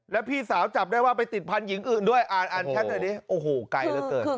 แล้วพี่สาวจับได้ว่าไปติดพันธุ์หญิงอื่นด้วยอ่านแชทนี้โอ้โหไกลเท่าไหร่